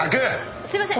すいません